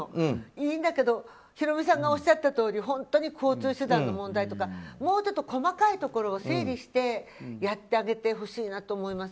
いいんだけどヒロミさんがおっしゃったとおり本当に交通手段の問題とかもうちょっと細かいところを整理してやってあげてほしいなと思います。